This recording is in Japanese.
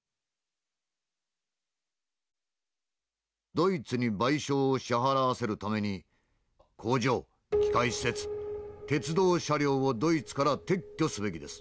「ドイツに賠償を支払わせるために工場機械施設鉄道車両をドイツから撤去すべきです。